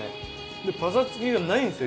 でパサつきがないんですよ